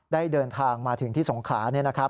ได้เดินทางมาถึงที่สงขลา